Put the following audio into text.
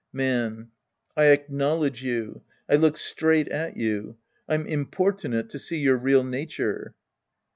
Man. I acknowledge you. I look straight at you. I'm importunate^ to see your real nature.